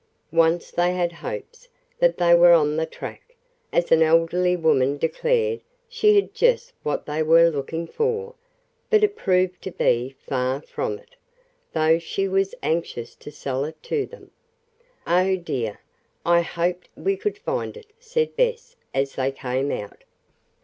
Once they had hopes that they were on the track, as an elderly woman declared she had just what they were looking for, but it proved to be far from it, though she was anxious to sell it to them. "Oh, dear, I hoped we could find it," said Bess as they came out.